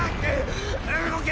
動け！